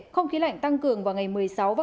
không khí lạnh tăng cường vào ngày một mươi sáu và